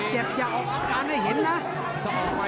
เจ็บจากการให้เห็นนะ